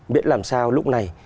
biết làm sao lúc này